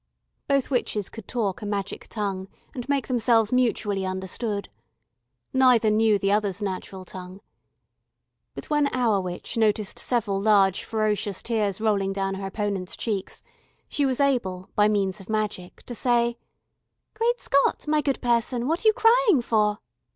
Both witches could talk a magic tongue, and make themselves mutually understood. Neither knew the other's natural tongue. But when our witch noticed several large ferocious tears rolling down her opponent's cheeks, she was able, by means of magic, to say: "Great Scott, my good person, what are you crying for?"